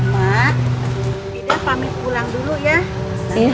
buat ida pamit pulang dulu ya